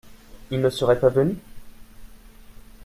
Ils ne seraient pas venus ?